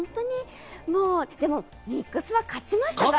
でもミックスは勝ちましたから。